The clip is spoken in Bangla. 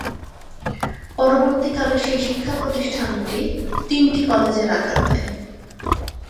পরবর্তী কালে সেই শিক্ষা প্রতিষ্ঠানটি তিনটি কলেজের আকার নেয়।